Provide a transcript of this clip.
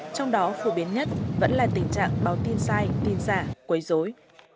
trong đó phổ biến nhất vẫn là tình trạng báo tin sai tin giả quấy dối